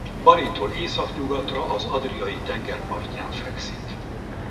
Baritól északnyugatra az Adriai-tenger partján fekszik.